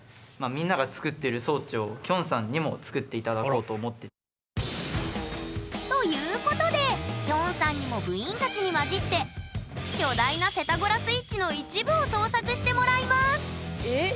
きょうはということできょんさんにも部員たちに交じって巨大なセタゴラスイッチの一部を創作してもらいますええ？